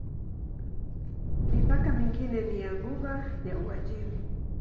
Mipaka mingine ni ya Ghuba ya Uajemi.